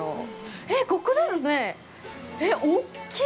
えっ、ここですね！